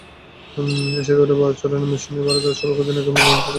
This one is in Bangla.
এশিয়া কাপের বারুদ ছড়ানো ম্যাচটি নিয়ে ভারতের সাবেক অধিনায়কের মূল্যায়ন খুবই সাধারণ।